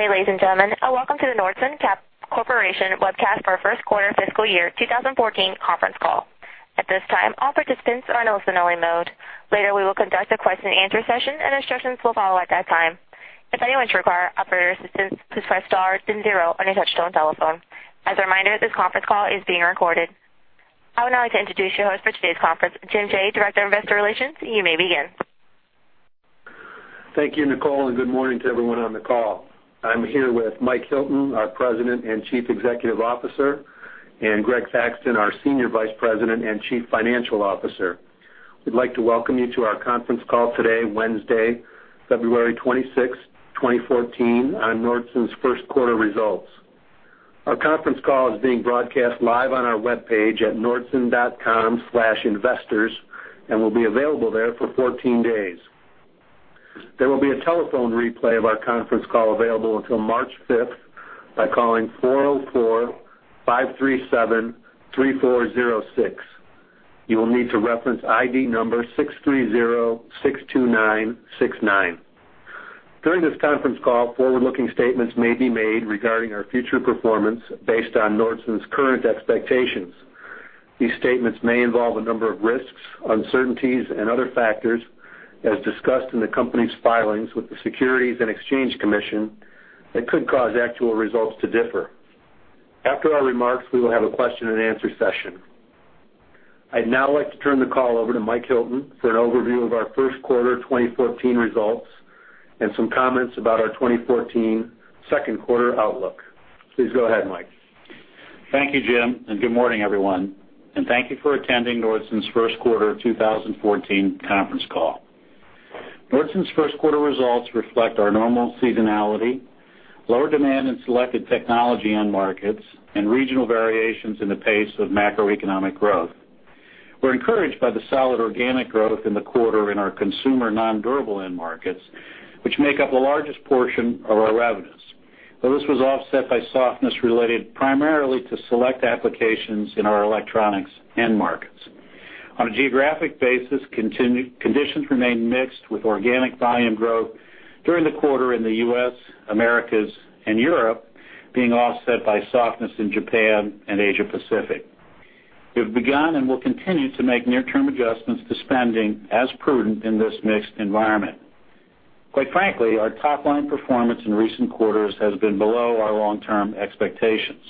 Good day, ladies and gentlemen, and welcome to the Nordson Corporation webcast for our first quarter fiscal year 2014 conference call. At this time, all participants are in listen-only mode. Later, we will conduct a question-and-answer session, and instructions will follow at that time. If anyone should require operator assistance, please press star then zero on your touchtone telephone. As a reminder, this conference call is being recorded. I would now like to introduce your host for today's conference, Jim Jaye, Director of Investor Relations. You may begin. Thank you, Nicole, and good morning to everyone on the call. I'm here with Mike Hilton, our President and Chief Executive Officer, and Greg Thaxton, our Senior Vice President and Chief Financial Officer. We'd like to welcome you to our conference call today, Wednesday, February 26, 2014, on Nordson's first quarter results. Our conference call is being broadcast live on our webpage at nordson.com/investors and will be available there for 14 days. There will be a telephone replay of our conference call available until March 5 by calling 404-573-406. You will need to reference ID number 63062969. During this conference call, forward-looking statements may be made regarding our future performance based on Nordson's current expectations. These statements may involve a number of risks, uncertainties, and other factors, as discussed in the company's filings with the Securities and Exchange Commission that could cause actual results to differ. After our remarks, we will have a question-and-answer session. I'd now like to turn the call over to Mike Hilton for an overview of our first quarter 2014 results and some comments about our 2014 second quarter outlook. Please go ahead, Mike. Thank you, Jim, and good morning, everyone. Thank you for attending Nordson's first quarter 2014 conference call. Nordson's first quarter results reflect our normal seasonality, lower demand in selected technology end markets and regional variations in the pace of macroeconomic growth. We're encouraged by the solid organic growth in the quarter in our consumer nondurable end markets, which make up the largest portion of our revenues, though this was offset by softness related primarily to select applications in our electronics end markets. On a geographic basis, conditions remain mixed with organic volume growth during the quarter in the U.S., Americas, and Europe being offset by softness in Japan and Asia Pacific. We've begun and will continue to make near-term adjustments to spending as prudent in this mixed environment. Quite frankly, our top-line performance in recent quarters has been below our long-term expectations.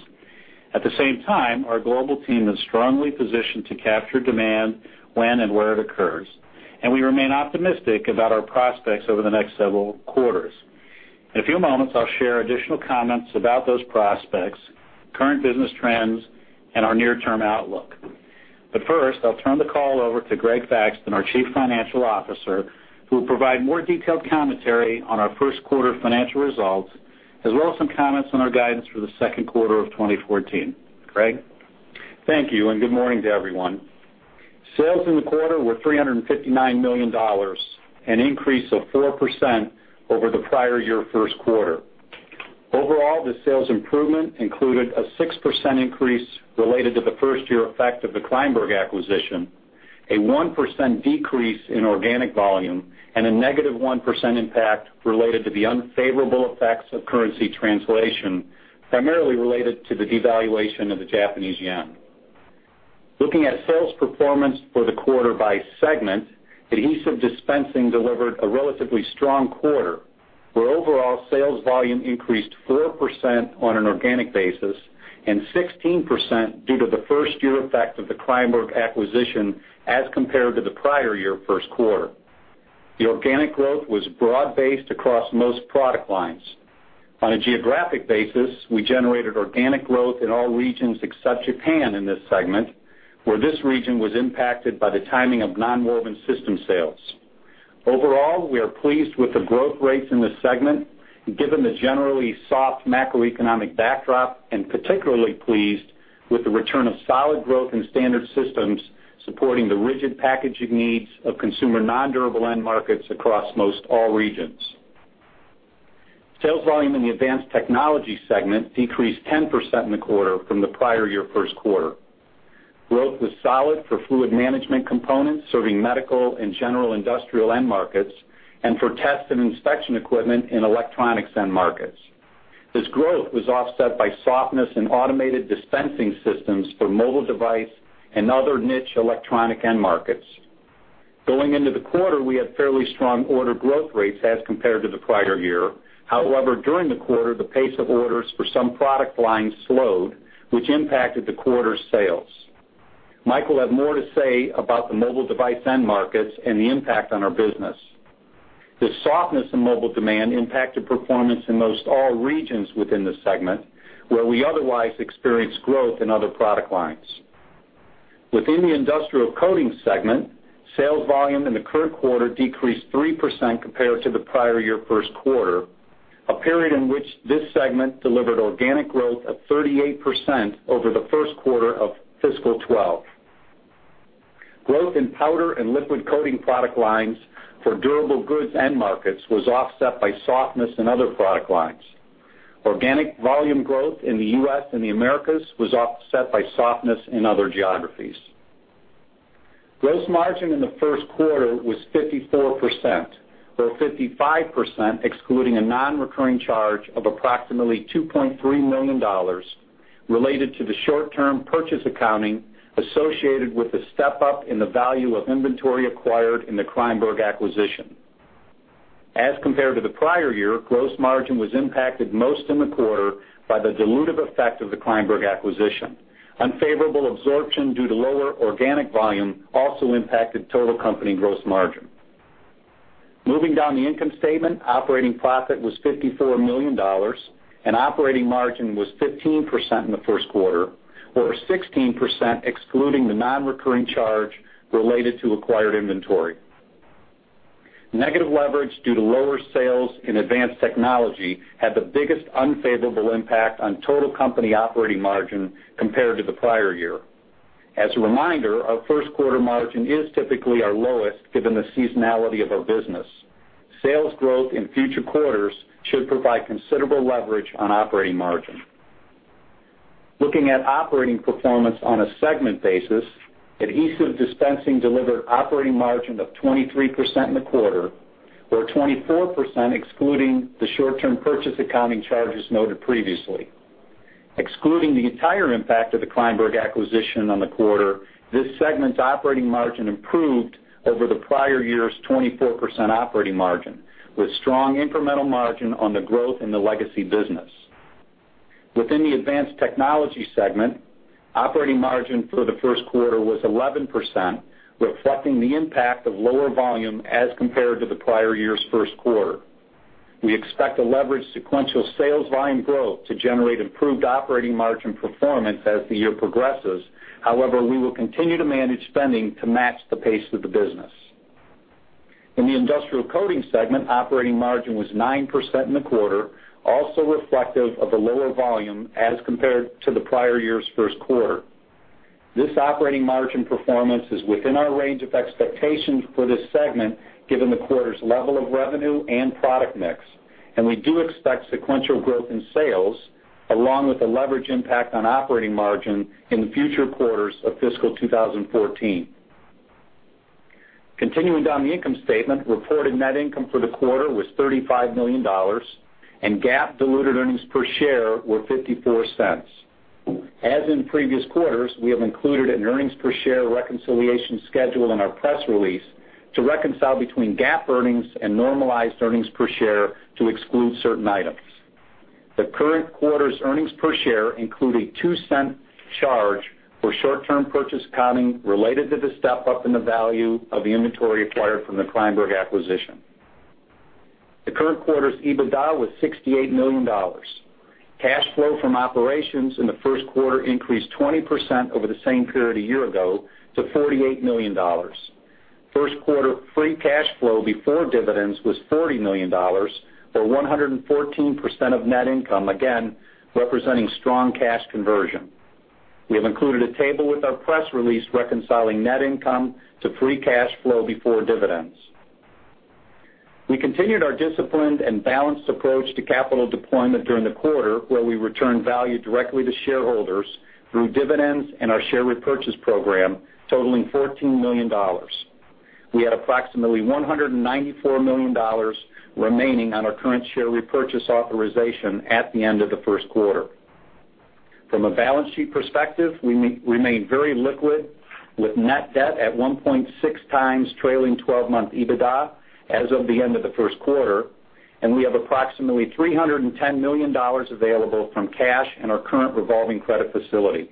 At the same time, our global team is strongly positioned to capture demand when and where it occurs, and we remain optimistic about our prospects over the next several quarters. In a few moments, I'll share additional comments about those prospects, current business trends, and our near-term outlook. First, I'll turn the call over to Greg Thaxton, our Chief Financial Officer, who will provide more detailed commentary on our first quarter financial results, as well as some comments on our guidance for the second quarter of 2014. Greg? Thank you, and good morning to everyone. Sales in the quarter were $359 million, an increase of 4% over the prior year first quarter. Overall, the sales improvement included a 6% increase related to the first-year effect of the Kreyenborg acquisition, a 1% decrease in organic volume, and a -1% impact related to the unfavorable effects of currency translation, primarily related to the devaluation of the Japanese yen. Looking at sales performance for the quarter by segment, Adhesive Dispensing delivered a relatively strong quarter, where overall sales volume increased 4% on an organic basis and 16% due to the first-year effect of the Kreyenborg acquisition as compared to the prior year first quarter. The organic growth was broad-based across most product lines. On a geographic basis, we generated organic growth in all regions except Japan in this segment, where this region was impacted by the timing of nonwoven system sales. Overall, we are pleased with the growth rates in this segment, given the generally soft macroeconomic backdrop, and particularly pleased with the return of solid growth in standard systems supporting the rigid packaging needs of consumer nondurable end markets across most all regions. Sales volume in the Advanced Technology segment decreased 10% in the quarter from the prior year first quarter. Growth was solid for fluid management components serving medical and general industrial end markets and for test and inspection equipment in electronics end markets. This growth was offset by softness in automated dispensing systems for mobile device and other niche electronic end markets. Going into the quarter, we had fairly strong order growth rates as compared to the prior year. However, during the quarter, the pace of orders for some product lines slowed, which impacted the quarter's sales. Mike will have more to say about the mobile device end markets and the impact on our business. This softness in mobile demand impacted performance in most all regions within the segment where we otherwise experienced growth in other product lines. Within the Industrial Coating segment, sales volume in the current quarter decreased 3% compared to the prior year first quarter, a period in which this segment delivered organic growth of 38% over the first quarter of fiscal 2012. Growth in powder and liquid coating product lines for durable goods end markets was offset by softness in other product lines. Organic volume growth in the U.S. and the Americas was offset by softness in other geographies. Gross margin in the first quarter was 54%, or 55%, excluding a non-recurring charge of approximately $2.3 million related to the short-term purchase accounting associated with the step-up in the value of inventory acquired in the Kreyenborg acquisition. As compared to the prior year, gross margin was impacted most in the quarter by the dilutive effect of the Kreyenborg acquisition. Unfavorable absorption due to lower organic volume also impacted total company gross margin. Moving down the income statement, operating profit was $54 million, and operating margin was 15% in the first quarter, or 16% excluding the non-recurring charge related to acquired inventory. Negative leverage due to lower sales in Advanced Technology Solutions had the biggest unfavorable impact on total company operating margin compared to the prior year. As a reminder, our first quarter margin is typically our lowest, given the seasonality of our business. Sales growth in future quarters should provide considerable leverage on operating margin. Looking at operating performance on a segment basis, adhesive dispensing delivered operating margin of 23% in the quarter, or 24% excluding the short-term purchase accounting charges noted previously. Excluding the entire impact of the Kreyenborg acquisition on the quarter, this segment's operating margin improved over the prior year's 24% operating margin, with strong incremental margin on the growth in the legacy business. Within the advanced technology segment, operating margin for the first quarter was 11%, reflecting the impact of lower volume as compared to the prior year's first quarter. We expect to leverage sequential sales volume growth to generate improved operating margin performance as the year progresses. However, we will continue to manage spending to match the pace of the business. In the Industrial Coating Systems segment, operating margin was 9% in the quarter, also reflective of the lower volume as compared to the prior year's first quarter. This operating margin performance is within our range of expectations for this segment, given the quarter's level of revenue and product mix. We do expect sequential growth in sales, along with a leverage impact on operating margin in future quarters of fiscal 2014. Continuing down the income statement, reported net income for the quarter was $35 million, and GAAP diluted earnings per share were $0.54. As in previous quarters, we have included an earnings per share reconciliation schedule in our press release to reconcile between GAAP earnings and normalized earnings per share to exclude certain items. The current quarter's earnings per share include a $0.02 charge for short-term purchase accounting related to the step-up in the value of the inventory acquired from the Kreyenborg acquisition. The current quarter's EBITDA was $68 million. Cash flow from operations in the first quarter increased 20% over the same period a year ago to $48 million. First quarter free cash flow before dividends was $40 million, or 114% of net income, again, representing strong cash conversion. We have included a table with our press release reconciling net income to free cash flow before dividends. We continued our disciplined and balanced approach to capital deployment during the quarter, where we returned value directly to shareholders through dividends and our share repurchase program, totaling $14 million. We had approximately $194 million remaining on our current share repurchase authorization at the end of the first quarter. From a balance sheet perspective, we remain very liquid, with net debt at 1.6x trailing twelve-month EBITDA as of the end of the first quarter, and we have approximately $310 million available from cash and our current revolving credit facility.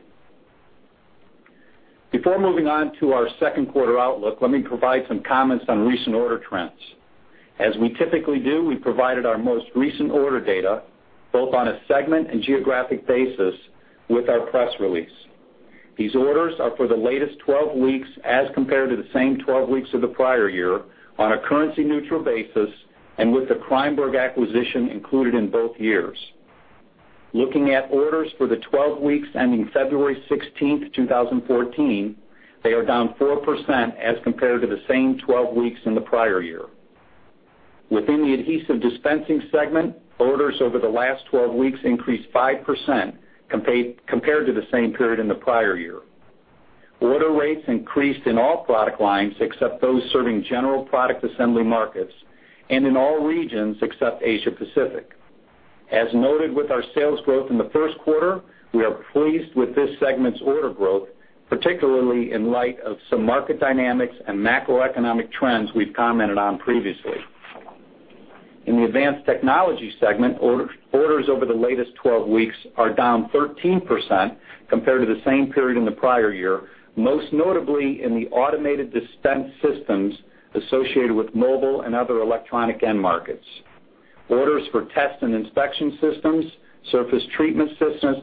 Before moving on to our second quarter outlook, let me provide some comments on recent order trends. As we typically do, we provided our most recent order data, both on a segment and geographic basis, with our press release. These orders are for the latest 12 weeks as compared to the same 12 weeks of the prior year on a currency-neutral basis and with the Kreyenborg acquisition included in both years. Looking at orders for the 12 weeks ending February 16th, 2014, they are down 4% as compared to the same 12 weeks in the prior year. Within the adhesive dispensing segment, orders over the last 12 weeks increased 5% compared to the same period in the prior year. Order rates increased in all product lines, except those serving general product assembly markets, and in all regions except Asia Pacific. As noted with our sales growth in the first quarter, we are pleased with this segment's order growth, particularly in light of some market dynamics and macroeconomic trends we've commented on previously. In the advanced technology segment, orders over the latest 12 weeks are down 13% compared to the same period in the prior year, most notably in the automated dispense systems associated with mobile and other electronic end markets. Orders for test and inspection systems, surface treatment systems,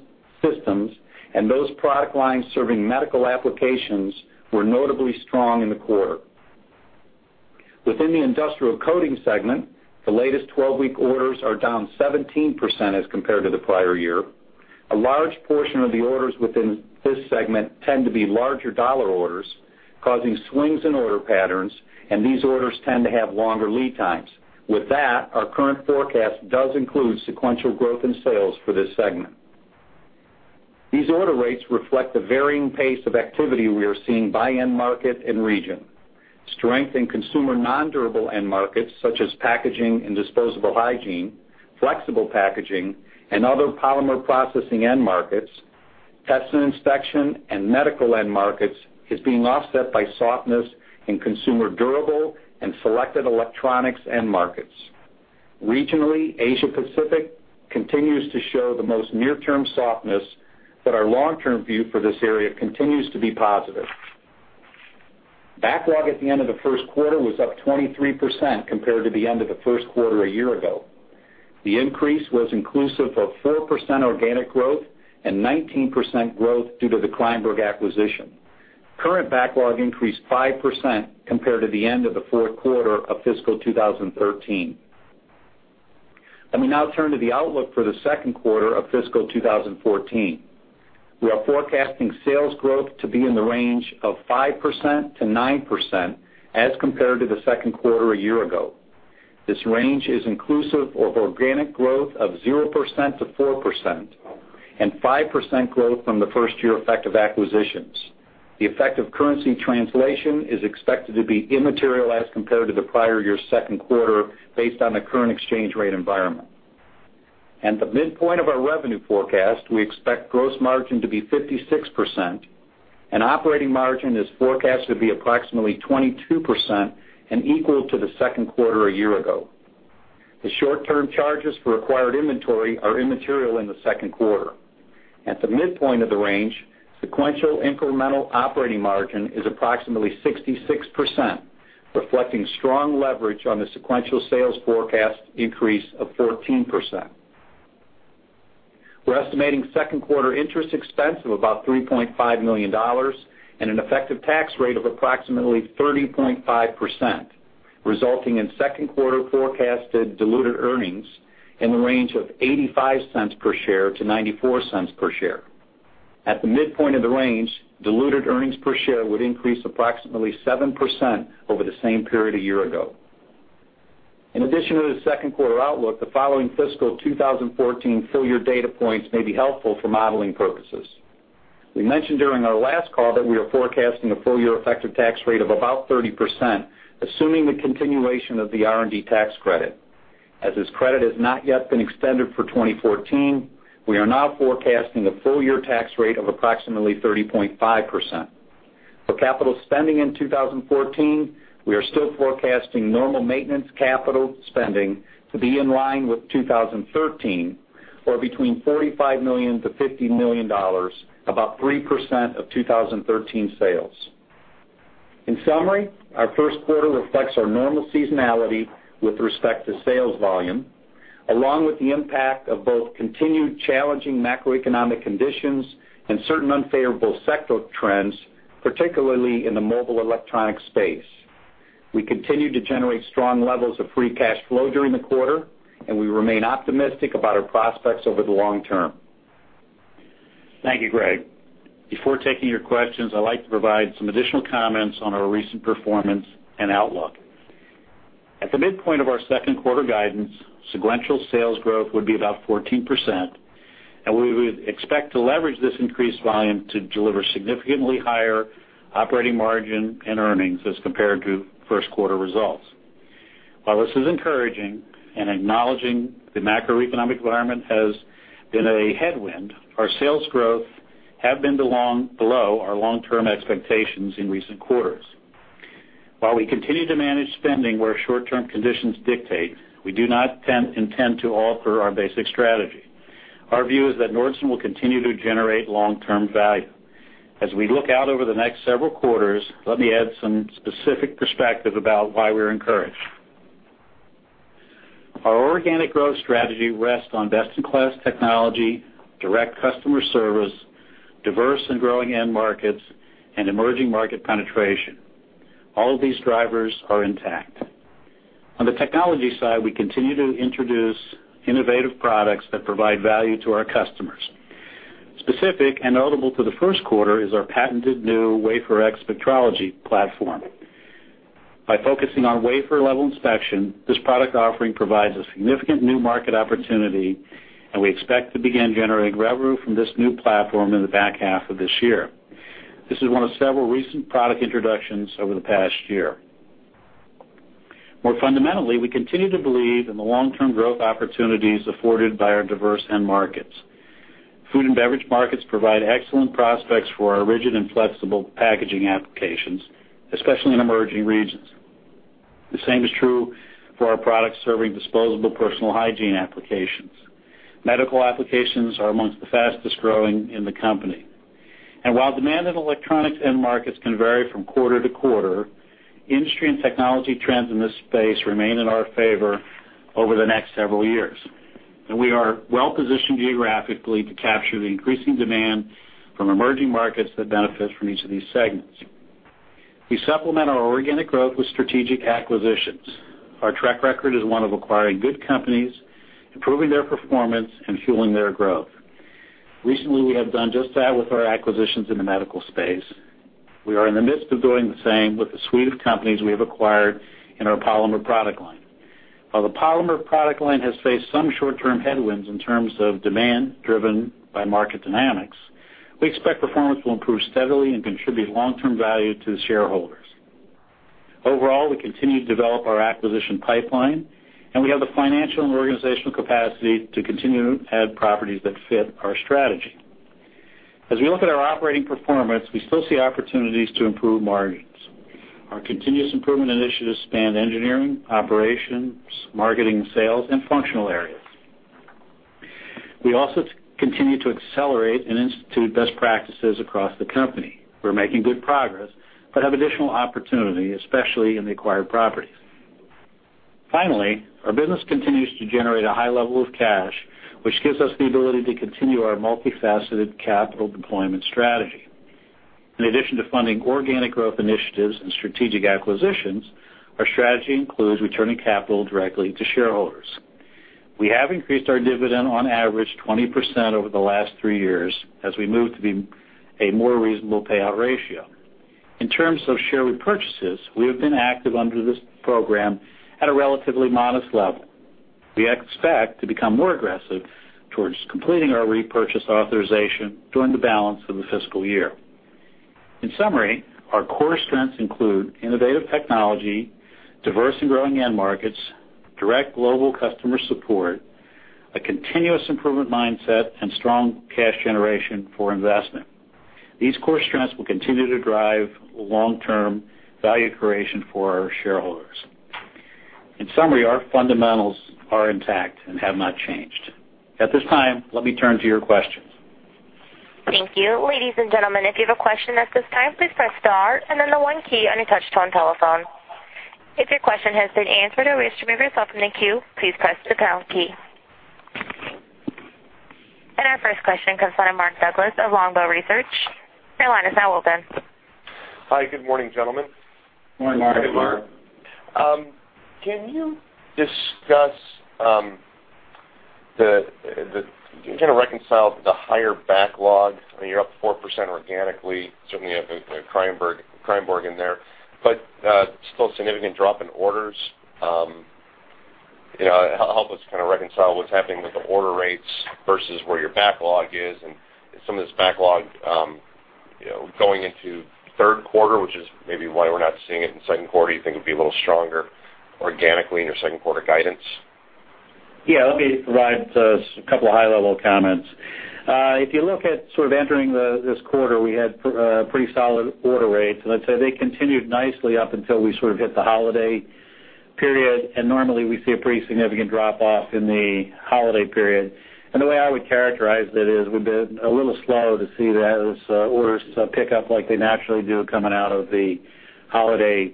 and those product lines serving medical applications were notably strong in the quarter. Within the Industrial Coating Systems segment, the latest 12-week orders are down 17% as compared to the prior year. A large portion of the orders within this segment tend to be larger dollar orders, causing swings in order patterns, and these orders tend to have longer lead times. With that, our current forecast does include sequential growth in sales for this segment. These order rates reflect the varying pace of activity we are seeing by end market and region. Strength in consumer nondurable end markets, such as packaging and disposable hygiene, flexible packaging and other polymer processing end markets, test and inspection, and medical end markets is being offset by softness in consumer durable and selected electronics end markets. Regionally, Asia Pacific continues to show the most near-term softness, but our long-term view for this area continues to be positive. Backlog at the end of the first quarter was up 23% compared to the end of the first quarter a year ago. The increase was inclusive of 4% organic growth and 19% growth due to the Kreyenborg acquisition. Current backlog increased 5% compared to the end of the fourth quarter of fiscal 2013. Let me now turn to the outlook for the second quarter of fiscal 2014. We are forecasting sales growth to be in the range of 5%-9% as compared to the second quarter a year ago. This range is inclusive of organic growth of 0%-4% and 5% growth from the first year effect of acquisitions. The effect of currency translation is expected to be immaterial as compared to the prior year's second quarter based on the current exchange rate environment. At the midpoint of our revenue forecast, we expect gross margin to be 56%, and operating margin is forecast to be approximately 22% and equal to the second quarter a year ago. The short-term charges for acquired inventory are immaterial in the second quarter. At the midpoint of the range, sequential incremental operating margin is approximately 66%, reflecting strong leverage on the sequential sales forecast increase of 14%. We're estimating second quarter interest expense of about $3.5 million and an effective tax rate of approximately 30.5%, resulting in second quarter forecasted diluted earnings in the range of $0.85-$0.94 per share. At the midpoint of the range, diluted earnings per share would increase approximately 7% over the same period a year ago. In addition to the second quarter outlook, the following fiscal 2014 full year data points may be helpful for modeling purposes. We mentioned during our last call that we are forecasting a full year effective tax rate of about 30%, assuming the continuation of the R&D tax credit. As this credit has not yet been extended for 2014, we are now forecasting a full year tax rate of approximately 30.5%. For capital spending in 2014, we are still forecasting normal maintenance capital spending to be in line with 2013 or between $45 million-$50 million, about 3% of 2013 sales. In summary, our first quarter reflects our normal seasonality with respect to sales volume, along with the impact of both continued challenging macroeconomic conditions and certain unfavorable sectoral trends, particularly in the mobile electronic space. We continue to generate strong levels of free cash flow during the quarter, and we remain optimistic about our prospects over the long term. Thank you, Greg. Before taking your questions, I'd like to provide some additional comments on our recent performance and outlook. At the midpoint of our second quarter guidance, sequential sales growth would be about 14%, and we would expect to leverage this increased volume to deliver significantly higher operating margin and earnings as compared to first quarter results. While this is encouraging and acknowledging the macroeconomic environment has been a headwind, our sales growth have been below our long-term expectations in recent quarters. While we continue to manage spending where short-term conditions dictate, we do not intend to alter our basic strategy. Our view is that Nordson will continue to generate long-term value. As we look out over the next several quarters, let me add some specific perspective about why we're encouraged. Our organic growth strategy rests on best-in-class technology, direct customer service, diverse and growing end markets, and emerging market penetration. All of these drivers are intact. On the technology side, we continue to introduce innovative products that provide value to our customers. Specific and notable to the first quarter is our patented new wafer X-ray metrology platform. By focusing on wafer-level inspection, this product offering provides a significant new market opportunity, and we expect to begin generating revenue from this new platform in the back half of this year. This is one of several recent product introductions over the past year. More fundamentally, we continue to believe in the long-term growth opportunities afforded by our diverse end markets. Food and beverage markets provide excellent prospects for our rigid and flexible packaging applications, especially in emerging regions. The same is true for our products serving disposable personal hygiene applications. Medical applications are among the fastest-growing in the company. While demand in electronics end markets can vary from quarter to quarter, industry and technology trends in this space remain in our favor over the next several years, and we are well positioned geographically to capture the increasing demand from emerging markets that benefit from each of these segments. We supplement our organic growth with strategic acquisitions. Our track record is one of acquiring good companies, improving their performance, and fueling their growth. Recently, we have done just that with our acquisitions in the medical space. We are in the midst of doing the same with the suite of companies we have acquired in our polymer product line. While the polymer product line has faced some short-term headwinds in terms of demand driven by market dynamics, we expect performance will improve steadily and contribute long-term value to the shareholders. Overall, we continue to develop our acquisition pipeline, and we have the financial and organizational capacity to continue to add properties that fit our strategy. As we look at our operating performance, we still see opportunities to improve margins. Our continuous improvement initiatives span engineering, operations, marketing, sales, and functional areas. We also continue to accelerate and institute best practices across the company. We're making good progress, but have additional opportunity, especially in the acquired properties. Finally, our business continues to generate a high level of cash, which gives us the ability to continue our multifaceted capital deployment strategy. In addition to funding organic growth initiatives and strategic acquisitions, our strategy includes returning capital directly to shareholders. We have increased our dividend on average 20% over the last three years as we move to be a more reasonable payout ratio. In terms of share repurchases, we have been active under this program at a relatively modest level. We expect to become more aggressive towards completing our repurchase authorization during the balance of the fiscal year. In summary, our core strengths include innovative technology, diverse and growing end markets, direct global customer support, a continuous improvement mindset, and strong cash generation for investment. These core strengths will continue to drive long-term value creation for our shareholders. In summary, our fundamentals are intact and have not changed. At this time, let me turn to your questions. Thank you. Ladies and gentlemen, if you have a question at this time, please press star and then the one key on your touchtone telephone. If your question has been answered or wish to remove yourself from the queue, please press the pound key. Our first question comes from Mark Douglass of Longbow Research. Your line is now open. Hi. Good morning, gentlemen. Morning, Mark. Good morning. Can you reconcile the higher backlog? I mean, you're up 4% organically. Certainly have a Kreyenborg in there, but still significant drop in orders. You know, help us kinda reconcile what's happening with the order rates versus where your backlog is and some of this backlog, you know, going into third quarter, which is maybe why we're not seeing it in second quarter. You think it'd be a little stronger organically in your second quarter guidance? Yeah, let me provide just a couple of high-level comments. If you look at sort of entering this quarter, we had pretty solid order rates. I'd say they continued nicely up until we sort of hit the holiday period. Normally, we see a pretty significant drop off in the holiday period. The way I would characterize it is, we've been a little slow to see those orders pick up like they naturally do coming out of the holiday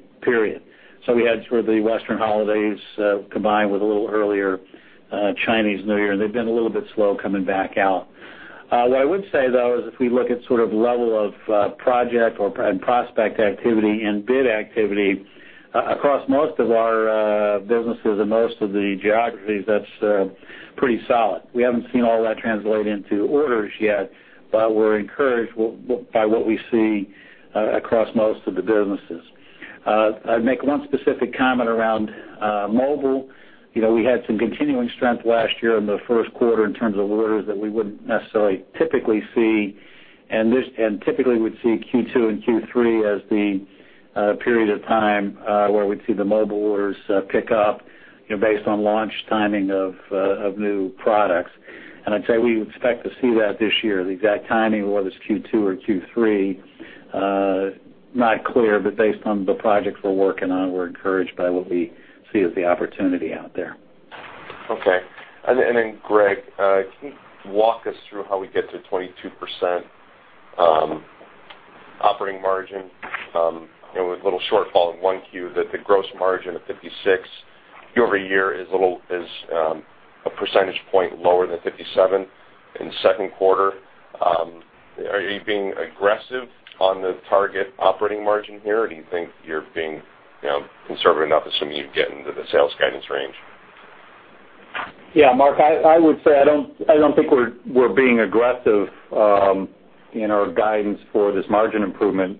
period. We had sort of the Western holidays combined with a little earlier Chinese New Year. They've been a little bit slow coming back out. What I would say, though, is if we look at sort of level of project and prospect activity and bid activity across most of our businesses and most of the geographies, that's pretty solid. We haven't seen all that translate into orders yet, but we're encouraged by what we see across most of the businesses. I'd make one specific comment around mobile. You know, we had some continuing strength last year in the first quarter in terms of orders that we wouldn't necessarily typically see. Typically we'd see Q2 and Q3 as the period of time where we'd see the mobile orders pick up, you know, based on launch timing of new products. I'd say we expect to see that this year. The exact timing, whether it's Q2 or Q3, not clear, but based on the projects we're working on, we're encouraged by what we see as the opportunity out there. Greg, can you walk us through how we get to 22% operating margin, you know, with a little shortfall in 1Q, that the gross margin of 56% year-over-year is a little a percentage point lower than 57% in second quarter. Are you being aggressive on the target operating margin here, or do you think you're being, you know, conservative enough, assuming you get into the sales guidance range? Yeah, Mark, I would say I don't think we're being aggressive in our guidance for this margin improvement.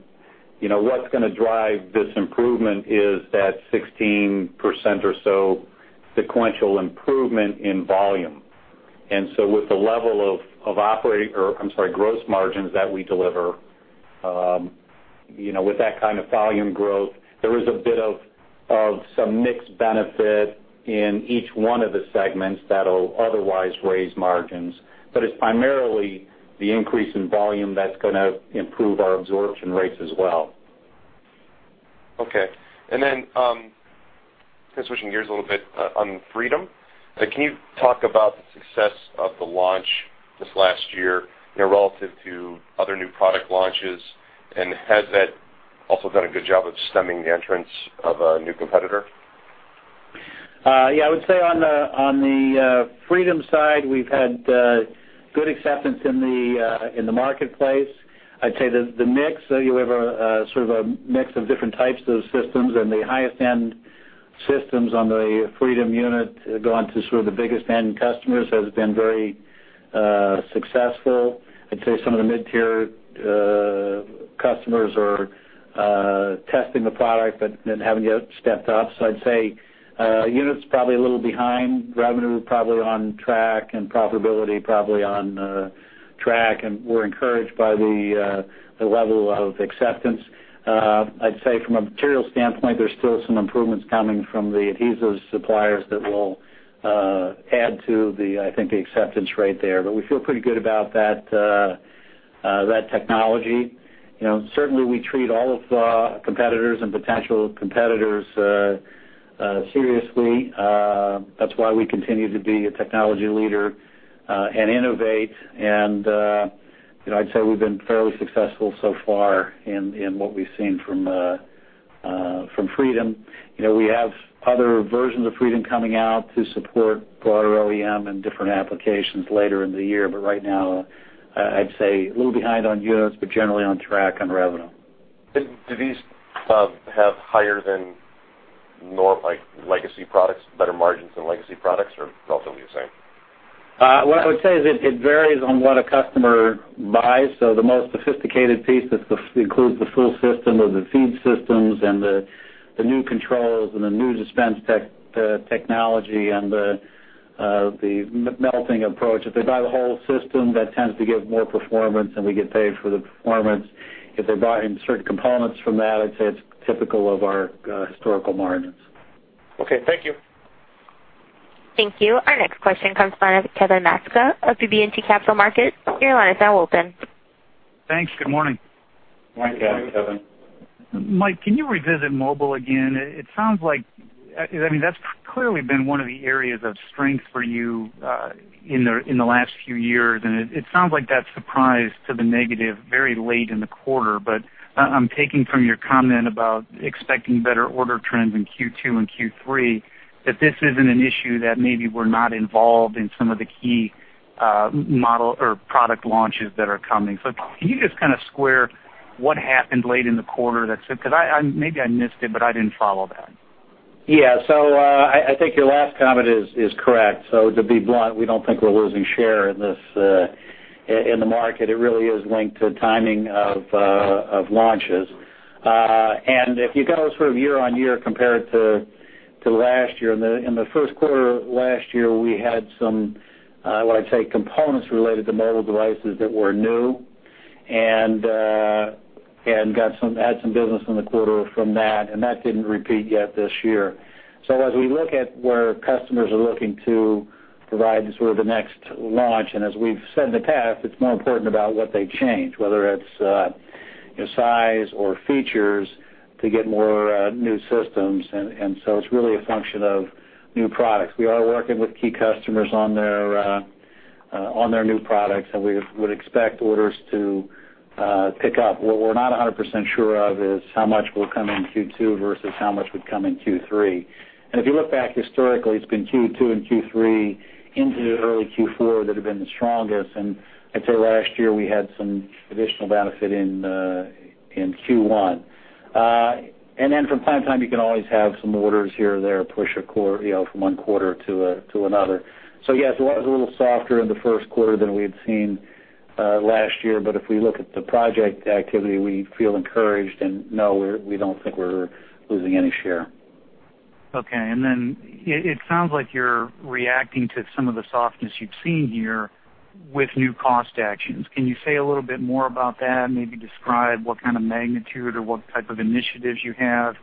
You know, what's gonna drive this improvement is that 16% or so sequential improvement in volume. With the level of gross margins that we deliver, you know, with that kind of volume growth, there is a bit of some mixed benefit in each one of the segments that'll otherwise raise margins. It's primarily the increase in volume that's gonna improve our absorption rates as well. Okay. Just switching gears a little bit, on Freedom, can you talk about the success of the launch this last year, you know, relative to other new product launches, and has that also done a good job of stemming the entrance of a new competitor? Yeah. I would say on the Freedom side, we've had good acceptance in the marketplace. I'd say the mix, you have a sort of a mix of different types of systems, and the highest end systems on the Freedom unit go on to sort of the biggest end customers has been very successful. I'd say some of the mid-tier customers are testing the product but haven't yet stepped up. I'd say units probably a little behind, revenue probably on track and profitability probably on track, and we're encouraged by the level of acceptance. I'd say from a material standpoint, there's still some improvements coming from the adhesives suppliers that will add to the, I think, the acceptance rate there. We feel pretty good about that technology. You know, certainly we treat all of the competitors and potential competitors seriously. That's why we continue to be a technology leader and innovate. You know, I'd say we've been fairly successful so far in what we've seen from Freedom. You know, we have other versions of Freedom coming out to support broader OEM and different applications later in the year, but right now, I'd say a little behind on units, but generally on track on revenue. Do these have higher than like legacy products, better margins than legacy products, or relatively the same? What I would say is it varies on what a customer buys. The most sophisticated piece that includes the full system of the feed systems and the new controls and the new dispense technology and the melting approach. If they buy the whole system, that tends to give more performance, and we get paid for the performance. If they're buying certain components from that, I'd say it's typical of our historical margins. Okay. Thank you. Thank you. Our next question comes from Kevin Maczka of BB&T Capital Markets. Your line is now open. Thanks. Good morning. Morning, Kevin. Mike, can you revisit mobile again? It sounds like I mean, that's clearly been one of the areas of strength for you in the last few years, and it sounds like that surprised to the downside very late in the quarter. I'm taking from your comment about expecting better order trends in Q2 and Q3, that this isn't an issue that maybe we're not involved in some of the key model or product launches that are coming. Can you just kind of square what happened late in the quarter that's it? 'Cause I maybe I missed it, but I didn't follow that. Yeah. I think your last comment is correct. To be blunt, we don't think we're losing share in this in the market. It really is linked to timing of launches. If you go sort of year-over-year compared to last year, in the first quarter last year, we had some what I'd say components related to mobile devices that were new and had some business in the quarter from that, and that didn't repeat yet this year. As we look at where customers are looking to provide sort of the next launch, and as we've said in the past, it's more important about what they change, whether it's you know size or features to get more new systems. It's really a function of new products. We are working with key customers on their new products, and we would expect orders to pick up. What we're not 100% sure of is how much will come in Q2 versus how much would come in Q3. If you look back historically, it's been Q2 and Q3 into early Q4 that have been the strongest. I'd say last year, we had some additional benefit in Q1. Then from time to time, you can always have some orders here or there push, you know, from one quarter to another. Yes, it was a little softer in the first quarter than we had seen last year, but if we look at the project activity, we feel encouraged and we don't think we're losing any share. Okay. It sounds like you're reacting to some of the softness you've seen here with new cost actions. Can you say a little bit more about that? Maybe describe what kind of magnitude or what type of initiatives you have?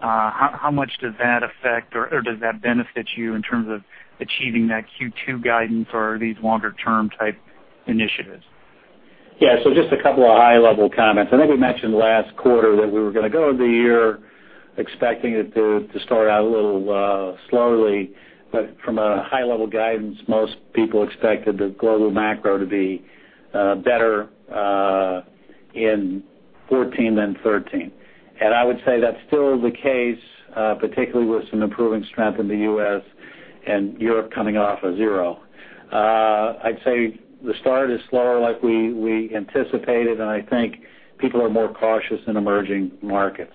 How much does that affect or does that benefit you in terms of achieving that Q2 guidance or these longer term type initiatives? Yeah. Just a couple of high-level comments. I think we mentioned last quarter that we were gonna go into the year expecting it to start out a little slowly. From a high-level guidance, most people expected the global macro to be better in 2014 than 2013. I would say that's still the case, particularly with some improving strength in the U.S. and Europe coming off a zero. I'd say the start is slower like we anticipated, and I think people are more cautious in emerging markets.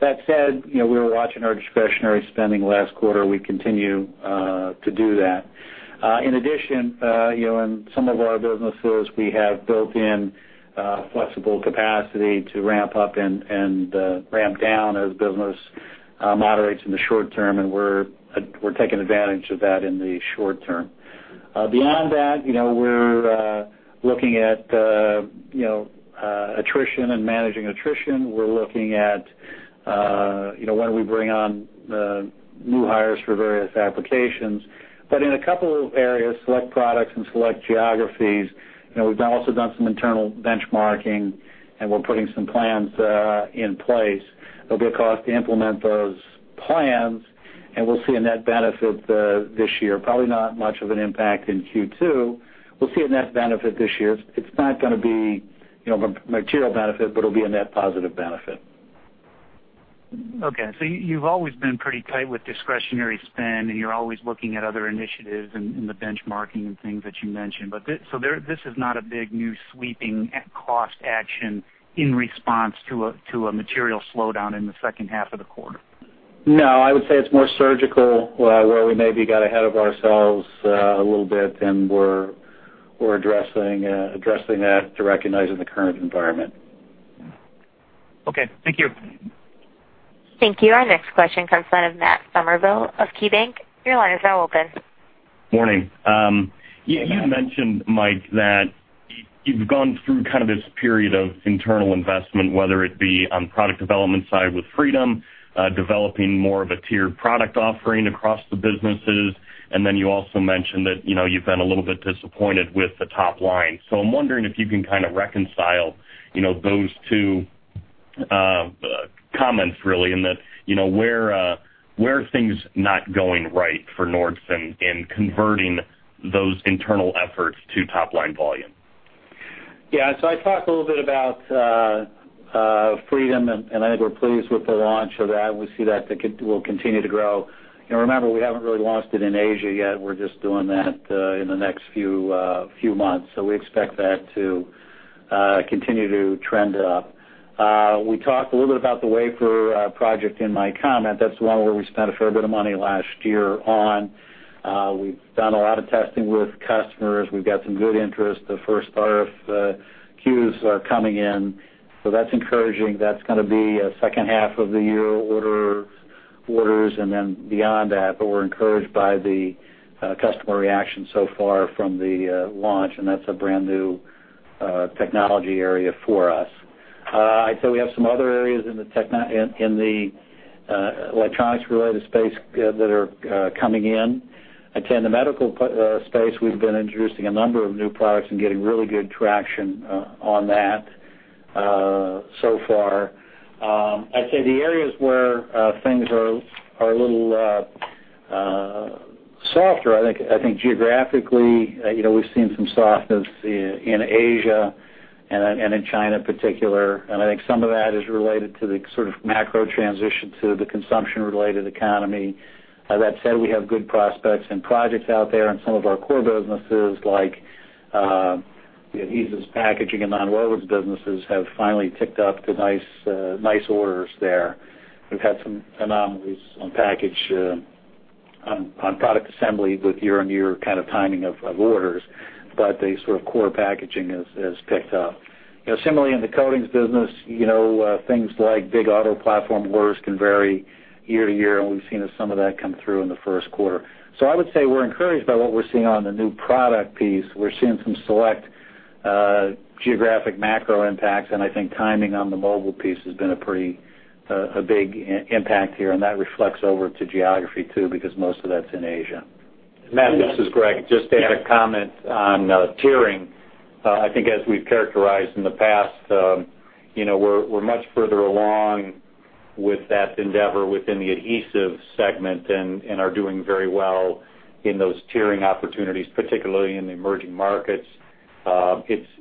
That said, you know, we were watching our discretionary spending last quarter. We continue to do that. In addition, you know, in some of our businesses, we have built in flexible capacity to ramp up and ramp down as business moderates in the short term, and we're taking advantage of that in the short term. Beyond that, you know, we're looking at you know, attrition and managing attrition. We're looking at you know, when we bring on new hires for various applications. In a couple of areas, select products and select geographies, you know, we've also done some internal benchmarking, and we're putting some plans in place. There'll be a cost to implement those plans, and we'll see a net benefit this year. Probably not much of an impact in Q2. We'll see a net benefit this year. It's not gonna be, you know, a material benefit, but it'll be a net positive benefit. Okay. You, you've always been pretty tight with discretionary spend, and you're always looking at other initiatives in the benchmarking and things that you mentioned. This is not a big new sweeping cost action in response to a material slowdown in the second half of the quarter? No. I would say it's more surgical, where we maybe got ahead of ourselves, a little bit, and we're addressing that to recognize in the current environment. Okay. Thank you. Thank you. Our next question comes from Matt Summerville of KeyBanc. Your line is now open. Morning. You mentioned, Mike, that you've gone through kind of this period of internal investment, whether it be on product development side with Freedom, developing more of a tiered product offering across the businesses. You also mentioned that, you know, you've been a little bit disappointed with the top line. I'm wondering if you can kind of reconcile, you know, those two comments really in that, you know, where are things not going right for Nordson in converting those internal efforts to top-line volume? Yeah. I talked a little bit about Freedom, and I think we're pleased with the launch of that. We see that it will continue to grow. You know, remember, we haven't really launched it in Asia yet. We're just doing that in the next few months. We expect that to continue to trend up. We talked a little bit about the wafer project in my comment. That's one where we spent a fair bit of money last year on. We've done a lot of testing with customers. We've got some good interest. The first RFQ queues are coming in, so that's encouraging. That's gonna be a second half of the year orders and then beyond that. We're encouraged by the customer reaction so far from the launch, and that's a brand-new technology area for us. I'd say we have some other areas in the electronics-related space that are coming in. Again, the medical space, we've been introducing a number of new products and getting really good traction on that so far. I'd say the areas where things are a little softer, I think geographically, you know, we've seen some softness in Asia and in China in particular. I think some of that is related to the sort of macro transition to the consumption-related economy. That said, we have good prospects and projects out there in some of our core businesses like the adhesives packaging and nonwovens businesses have finally ticked up to nice orders there. We've had some anomalies on product assembly with year-on-year kind of timing of orders, but the sort of core packaging has picked up. You know, similarly in the coatings business, you know, things like big auto platform orders can vary year-to-year, and we've seen some of that come through in the first quarter. I would say we're encouraged by what we're seeing on the new product piece. We're seeing some select geographic macro impacts, and I think timing on the mobile piece has been a pretty big impact here, and that reflects over to geography too because most of that's in Asia. Matt, this is Greg. Just to add a comment on tiering. I think as we've characterized in the past, you know, we're much further along with that endeavor within the adhesive segment and are doing very well in those tiering opportunities, particularly in the emerging markets.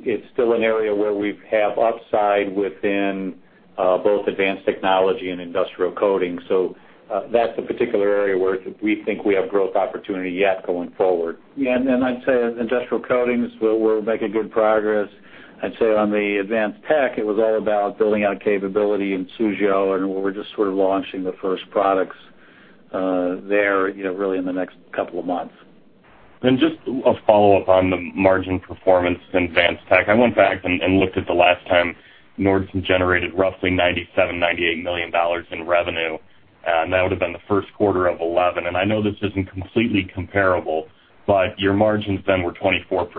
It's still an area where we have upside within both advanced technology and industrial coating. That's a particular area where we think we have growth opportunity yet going forward. I'd say industrial coatings, we're making good progress. I'd say on the advanced tech, it was all about building out capability in Suzhou, and we're just sort of launching the first products there, you know, really in the next couple of months. Just a follow-up on the margin performance in advanced tech. I went back and looked at the last time Nordson generated roughly $97 million-$98 million in revenue, and that would've been the first quarter of 2011. I know this isn't completely comparable, but your margins then were 24%.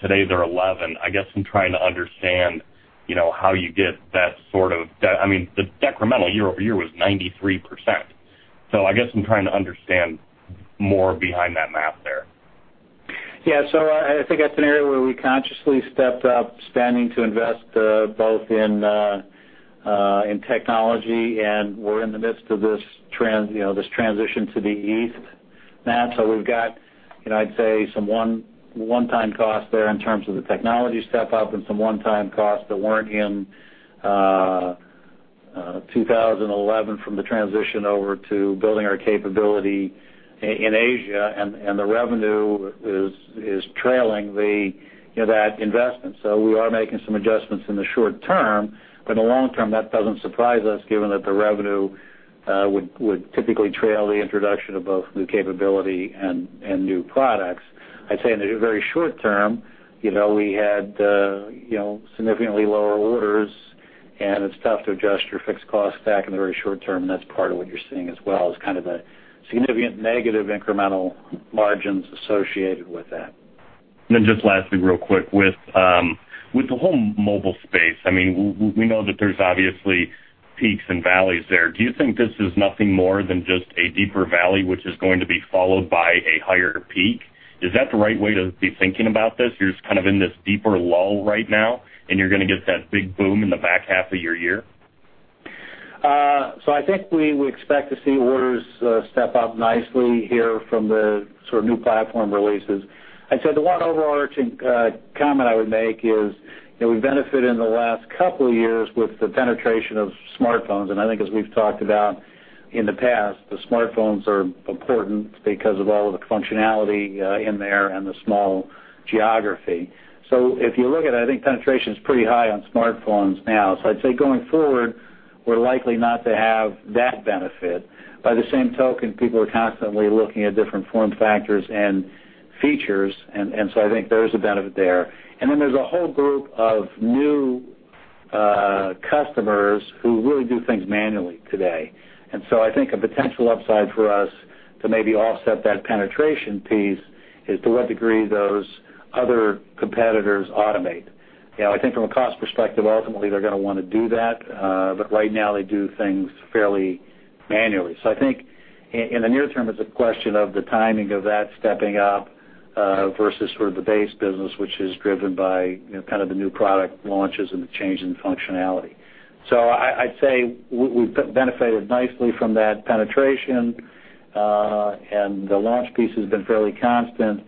Today, they're 11%. I guess I'm trying to understand, you know, how you get that sort of, that, I mean, the decremental year-over-year was 93%. I guess I'm trying to understand more behind that math there. Yeah. I think that's an area where we consciously stepped up spending to invest both in technology and we're in the midst of this transition you know, this transition to the East, Matt. We've got, you know, I'd say some one-time costs there in terms of the technology step-up and some one-time costs that weren't in 2011 from the transition over to building our capability in Asia, and the revenue is trailing you know, that investment. We are making some adjustments in the short term, but in the long term, that doesn't surprise us given that the revenue would typically trail the introduction of both new capability and new products. I'd say in the very short term, you know, we had you know, significantly lower orders, and it's tough to adjust your fixed costs back in the very short term, and that's part of what you're seeing as well, is kind of the significant negative incremental margins associated with that. Just lastly real quick, with the whole mobile space, I mean, we know that there's obviously peaks and valleys there. Do you think this is nothing more than just a deeper valley which is going to be followed by a higher peak? Is that the right way to be thinking about this? You're just kind of in this deeper lull right now, and you're gonna get that big boom in the back half of your year? I think we expect to see orders step up nicely here from the sort of new platform releases. I'd say the one overarching comment I would make is, you know, we've benefited in the last couple of years with the penetration of smartphones. I think as we've talked about in the past, the smartphones are important because of all of the functionality in there and the small geography. If you look at it, I think penetration's pretty high on smartphones now. I'd say going forward we're likely not to have that benefit. By the same token, people are constantly looking at different form factors and features, and so I think there's a benefit there. There's a whole group of new customers who really do things manually today. I think a potential upside for us to maybe offset that penetration piece is to what degree those other competitors automate. You know, I think from a cost perspective, ultimately, they're gonna wanna do that, but right now, they do things fairly manually. I think in the near term, it's a question of the timing of that stepping up, versus sort of the base business, which is driven by, you know, kind of the new product launches and the change in functionality. I'd say we've benefited nicely from that penetration, and the launch piece has been fairly constant.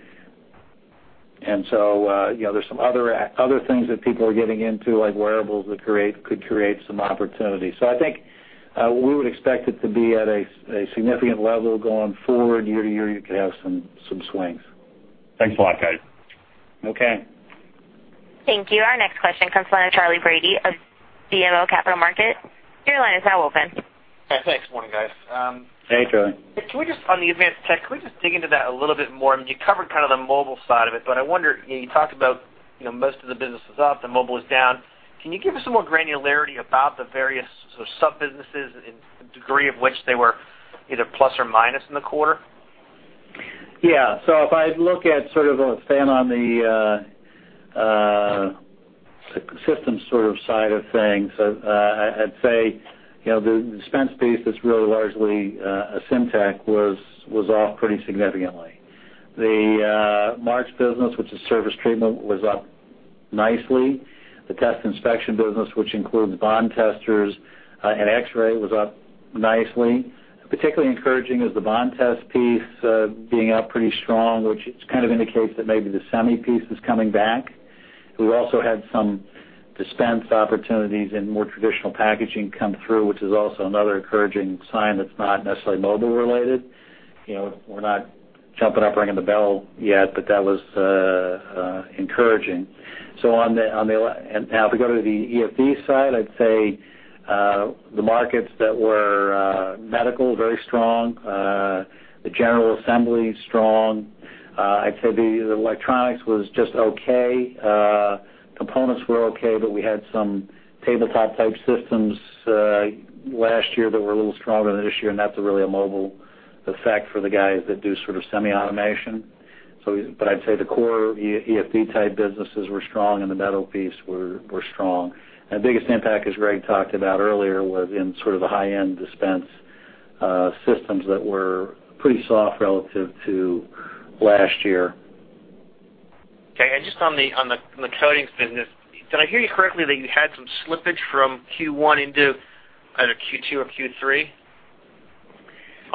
You know, there's some other things that people are getting into, like wearables that could create some opportunities. I think we would expect it to be at a significant level going forward. Year-to-year, you could have some swings. Thanks a lot, guys. Okay. Thank you. Our next question comes from Charles Brady of BMO Capital Markets. Your line is now open. Thanks. Morning, guys. Hey, Charlie. On the advanced tech, can we just dig into that a little bit more? I mean, you covered kind of the mobile side of it, but I wonder, you know, you talked about, you know, most of the business is up, the mobile is down. Can you give us some more granularity about the various sub-businesses and the degree of which they were either plus or minus in the quarter? If I look at sort of a standpoint on the systems side of things, I'd say, you know, the dispense piece that's really largely Asymtek was off pretty significantly. The March business, which is surface treatment, was up nicely. The test and inspection business, which includes bond testers and X-ray, was up nicely. Particularly encouraging is the bond tester piece being up pretty strong, which it kind of indicates that maybe the semi piece is coming back. We also had some dispense opportunities and more traditional packaging come through, which is also another encouraging sign that's not necessarily mobile-related. You know, we're not jumping up, ringing the bell yet, but that was encouraging. Now if we go to the EFD side, I'd say the markets that were medical very strong, the general assembly strong. I'd say the electronics was just okay. Components were okay, but we had some tabletop-type systems last year that were a little stronger than this year, and that's really a mobile effect for the guys that do sort of semi-automation. But I'd say the core EFD-type businesses were strong and the metal piece were strong. The biggest impact, as Greg talked about earlier, was in sort of the high-end dispense systems that were pretty soft relative to last year. Okay. Just on the coatings business, did I hear you correctly that you had some slippage from Q1 into either Q2 or Q3?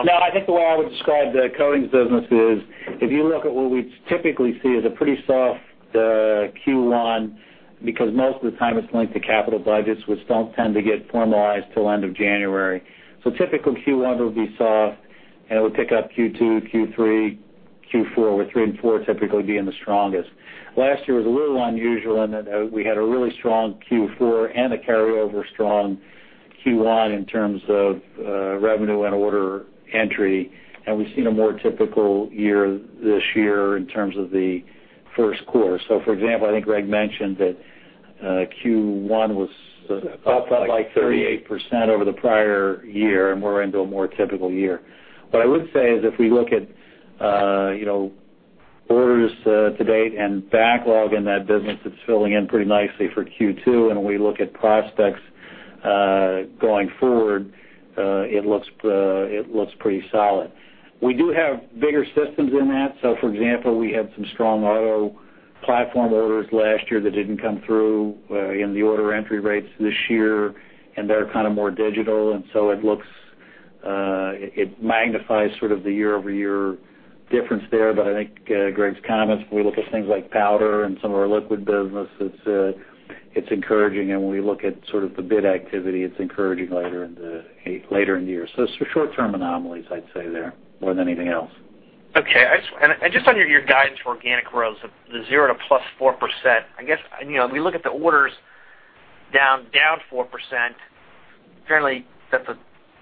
No, I think the way I would describe the coatings business is if you look at what we'd typically see is a pretty soft Q1, because most of the time it's linked to capital budgets, which don't tend to get formalized till end of January. Typically, Q1 will be soft, and it would pick up Q2, Q3, Q4, with three and four typically being the strongest. Last year was a little unusual in that we had a really strong Q4 and a carryover strong Q1 in terms of revenue and order entry. We've seen a more typical year this year in terms of the first quarter. For example, I think Greg mentioned that Q1 was up by 38% over the prior year, and we're into a more typical year. What I would say is if we look at, you know, orders to date and backlog in that business, it's filling in pretty nicely for Q2, and we look at prospects going forward, it looks pretty solid. We do have bigger systems in that. For example, we had some strong auto platform orders last year that didn't come through in the order entry rates this year, and they're kind of more digital, and so it looks it magnifies sort of the year-over-year difference there. But I think, Greg's comments, we look at things like powder and some of our liquid business, it's encouraging, and we look at sort of the bid activity, it's encouraging later in the year. Short-term anomalies, I'd say there, more than anything else. I just on your guidance for organic growth, the 0% + 4%, I guess, you know, we look at the orders down 4%, apparently, that's a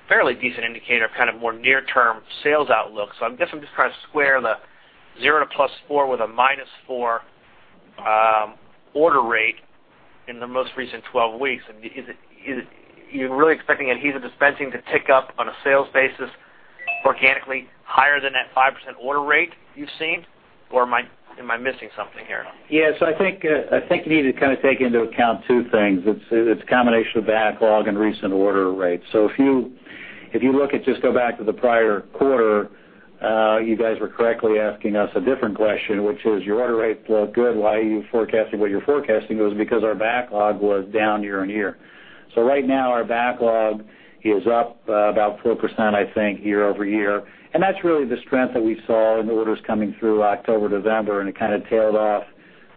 fairly decent indicator of kind of more near-term sales outlook. I guess I'm just trying to square the 0% + 4% with a -4% order rate in the most recent 12 weeks. Is it you're really expecting adhesive dispensing to tick up on a sales basis organically higher than that 5% order rate you've seen? Or am I missing something here? Yeah. I think you need to kinda take into account two things. It's a combination of backlog and recent order rates. If you look at, just go back to the prior quarter, you guys were correctly asking us a different question, which is your order rates look good. Why are you forecasting what you're forecasting? It was because our backlog was down year-on-year. Right now, our backlog is up about 4%, I think, year-over-year. And that's really the strength that we saw in orders coming through October, November, and it kinda tailed off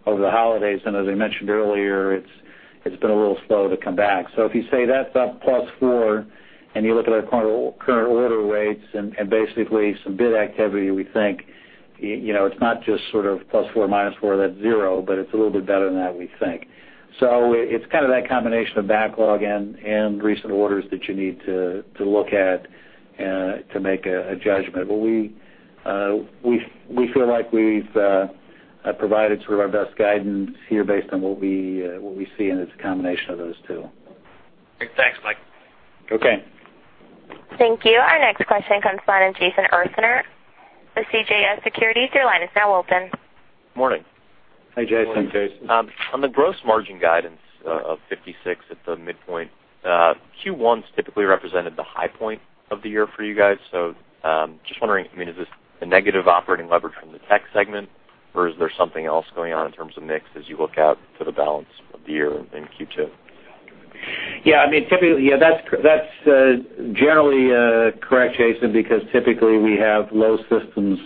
over the holidays, and as I mentioned earlier, it's been a little slow to come back. If you say that's up +4%, and you look at our current order rates and basically some bid activity, we think, you know, it's not just sort of +4%, -4%, that's zero, but it's a little bit better than that we think. It's kind of that combination of backlog and recent orders that you need to look at to make a judgment. We feel like we've provided sort of our best guidance here based on what we see, and it's a combination of those two. Great. Thanks, Mike. Okay. Thank you. Our next question comes from Jason Ursaner with CJS Securities. Your line is now open. Morning. Hi, Jason. Morning, Jason. On the gross margin guidance of 56% at the midpoint, Q1's typically represented the high point of the year for you guys. Just wondering, I mean, is this a negative operating leverage from the tech segment, or is there something else going on in terms of mix as you look out to the balance of the year in Q2? Yeah, I mean, typically, yeah, that's generally correct, Jason, because typically we have low systems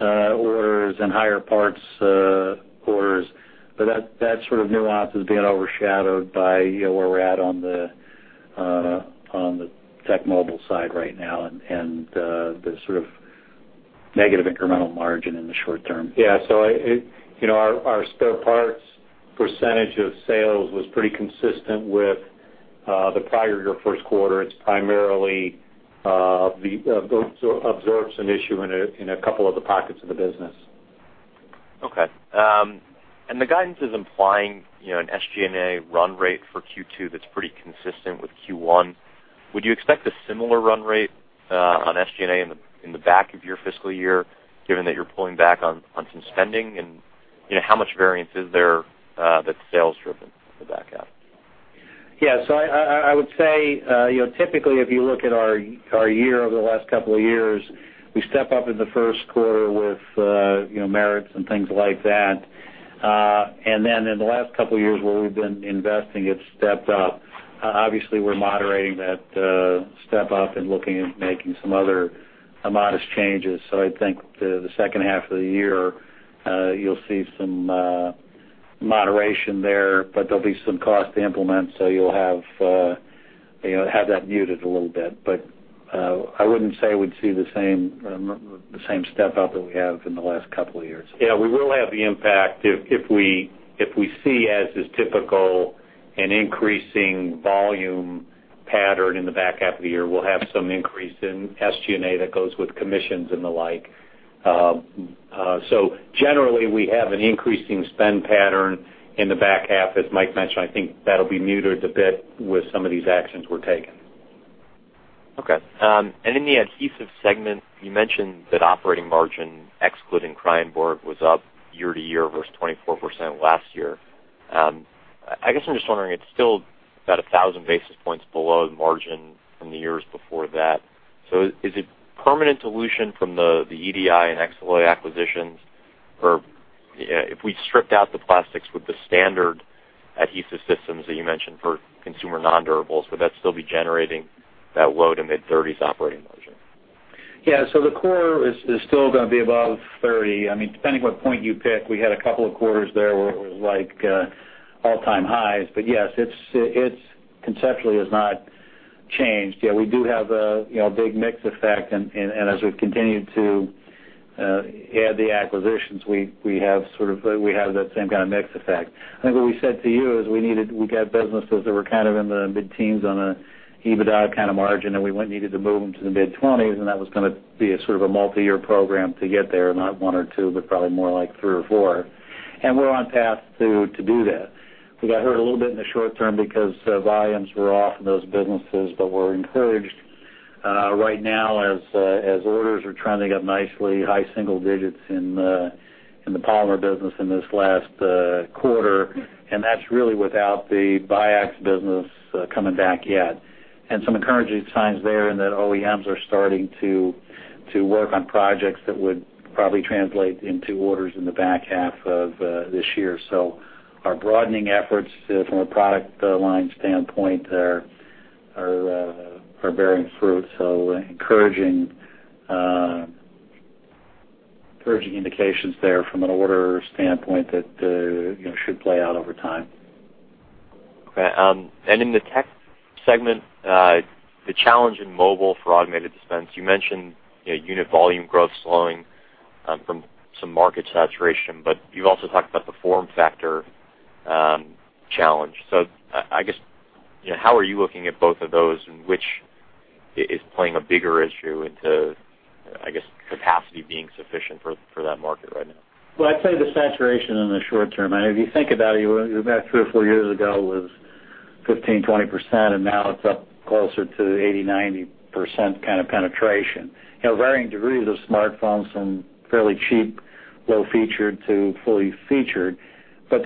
orders and higher parts orders. But that sort of nuance is being overshadowed by, you know, where we're at on the tech mobile side right now and the sort of negative incremental margin in the short term. Yeah. Our spare parts percentage of sales was pretty consistent with the absorption issue in a couple of the pockets of the business. Okay. The guidance is implying, you know, an SG&A run rate for Q2 that's pretty consistent with Q1. Would you expect a similar run rate on SG&A in the back of your fiscal year, given that you're pulling back on some spending? You know, how much variance is there that's sales driven in the back half? Yeah. I would say, you know, typically, if you look at our year over the last couple of years, we step up in the first quarter with, you know, merits and things like that. Then in the last couple of years where we've been investing, it's stepped up. Obviously we're moderating that step up and looking at making some other modest changes. I think the second half of the year, you'll see some moderation there, but there'll be some cost to implement, so you'll have, you know, that muted a little bit. I wouldn't say we'd see the same step up that we have in the last couple of years. Yeah, we will have the impact if we see, as is typical, an increasing volume pattern in the back half of the year. We'll have some increase in SG&A that goes with commissions and the like. Generally we have an increasing spend pattern in the back half. As Mike mentioned, I think that'll be muted a bit with some of these actions we're taking. Okay. In the adhesive segment, you mentioned that operating margin excluding Kreyenborg was up year-over-year versus 24% last year. I guess I'm just wondering, it's still about 1,000 basis points below the margin from the years before that. Is it permanent dilution from the EDI and Xaloy acquisitions? If we stripped out the plastics with the standard adhesive systems that you mentioned for consumer non-durables, would that still be generating that low to mid-thirties operating margin? Yeah. The core is still gonna be above 30%. I mean, depending on what point you pick, we had a couple of quarters there where it was like all-time highs. But yes, it conceptually has not changed yet. We do have, you know, a big mix effect, and as we've continued to add the acquisitions, we have sort of that same kind of mix effect. I think what we said to you is we got businesses that were kind of in the mid-teens percent on an EBITDA kind of margin, and needed to move them to the mid-20s percent, and that was gonna be a sort of a multi-year program to get there, not 1 or 2, but probably more like 3 or 4. We're on path to do that. We got hurt a little bit in the short term because volumes were off in those businesses, but we're encouraged right now as orders are trending up nicely, high single digits in the polymer business in this last quarter, and that's really without the Biax business coming back yet. Some encouraging signs there in that OEMs are starting to work on projects that would probably translate into orders in the back half of this year. Our broadening efforts from a product line standpoint are bearing fruit, so encouraging indications there from an order standpoint that you know should play out over time. Okay. In the tech segment, the challenge in mobile for automated dispense, you mentioned, you know, unit volume growth slowing, from some market saturation, but you've also talked about the form factor challenge. I guess, you know, how are you looking at both of those, and which is playing a bigger issue into, I guess, capacity being sufficient for that market right now? Well, I'd say the saturation in the short term. I mean, if you think about it, back three or four years ago was 15%-20%, and now it's up closer to 80%-90% kind of penetration. You know, varying degrees of smartphones from fairly cheap, low featured to fully featured, but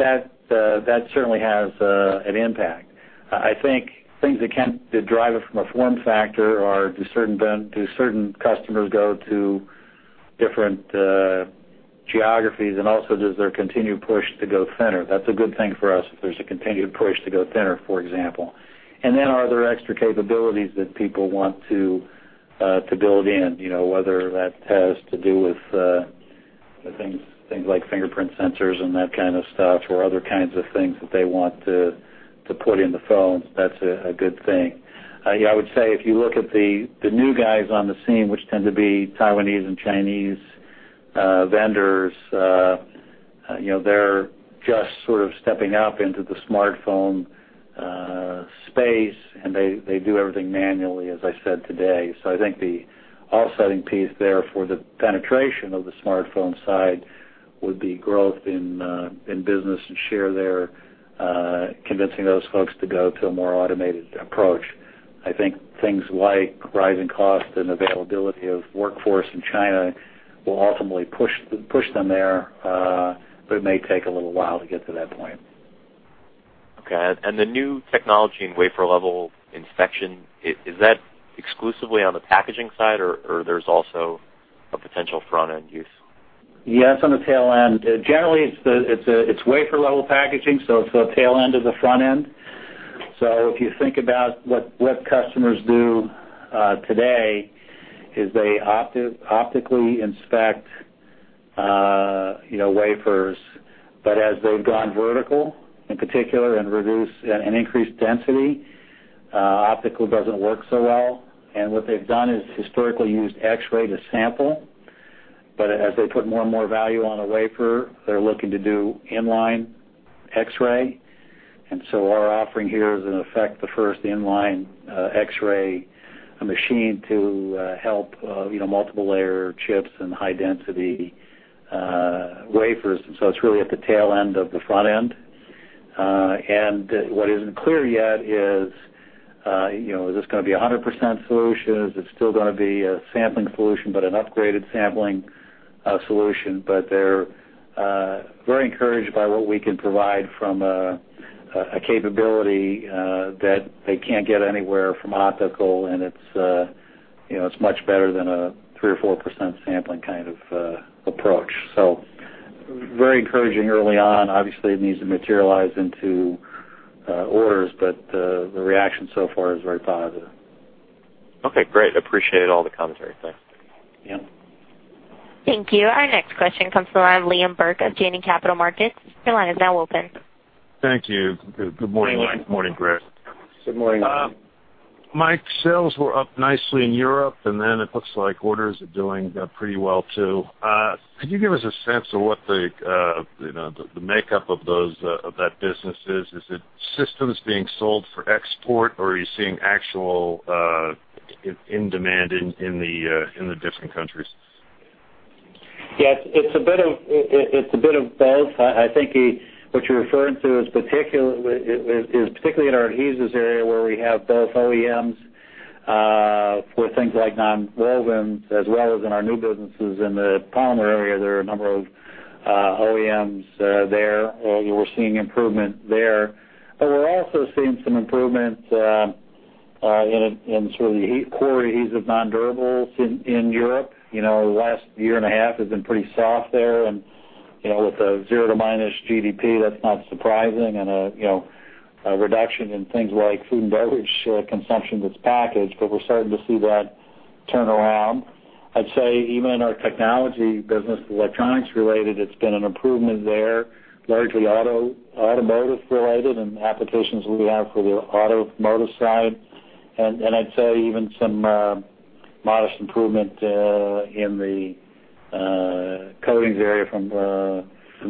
that certainly has an impact. I think things that can drive it from a form factor are do certain customers go to different geographies? Also does there continue push to go thinner? That's a good thing for us if there's a continued push to go thinner, for example. Then are there extra capabilities that people want to build in, you know, whether that has to do with the things like fingerprint sensors and that kind of stuff, or other kinds of things that they want to put in the phones, that's a good thing. Yeah, I would say if you look at the new guys on the scene, which tend to be Taiwanese and Chinese vendors, you know, they're just sort of stepping up into the smartphone space, and they do everything manually, as I said today. I think the offsetting piece there for the penetration of the smartphone side would be growth in business and share there, convincing those folks to go to a more automated approach. I think things like rising costs and availability of workforce in China will ultimately push them there, but it may take a little while to get to that point. Okay. The new technology in wafer-level inspection, is that exclusively on the packaging side, or there's also a potential front-end use? Yeah, it's on the tail end. Generally, it's wafer-level packaging, so it's the tail end of the front end. If you think about what customers do today, they optically inspect wafers. As they've gone vertical, in particular, and reduced and increased density, optical doesn't work so well. What they've done is historically used X-ray to sample. As they put more and more value on a wafer, they're looking to do in-line X-ray. Our offering here is, in effect, the first in-line X-ray, a machine to help you know multiple layer chips and high density wafers. It's really at the tail end of the front end. What isn't clear yet is you know is this gonna be 100% solution? Is it still gonna be a sampling solution, but an upgraded sampling solution? They're very encouraged by what we can provide from a capability that they can't get anywhere from optical, and it's you know, it's much better than a 3% or 4% sampling kind of approach. Very encouraging early on. Obviously, it needs to materialize into orders, but the reaction so far is very positive. Okay, great. Appreciate all the commentary. Thanks. Yeah. Thank you. Our next question comes from the line of Liam Burke of Janney Capital Markets. Your line is now open. Thank you. Good morning, Mike. Good morning, Greg. Good morning. Mike, sales were up nicely in Europe, and then it looks like orders are doing pretty well too. Could you give us a sense of what the you know the makeup of those of that business is? Is it systems being sold for export, or are you seeing actual end demand in the different countries? Yes, it's a bit of both. I think what you're referring to is particularly in our adhesives area, where we have both OEMs for things like nonwovens, as well as in our new businesses in the polymer area. There are a number of OEMs there. We're seeing improvement there. We're also seeing some improvements in sort of the core adhesives nondurables in Europe. You know, the last year and a half has been pretty soft there. You know, with a zero to minus GDP, that's not surprising. You know, a reduction in things like food and beverage consumption that's packaged, but we're starting to see that turn around. I'd say even our technology business, electronics related, it's been an improvement there, largely automotive related and applications we have for the automotive side. I'd say even some modest improvement in the coatings area from